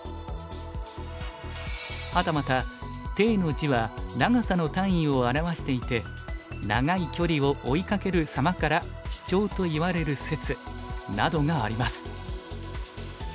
はたまた「丁」の字は長さの単位を表していて長い距離を追いかける様からシチョウといわれる説などがあります。